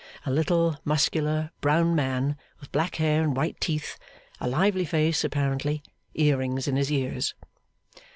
A little, muscular, brown man, with black hair and white teeth. A lively face, apparently. Earrings in his ears.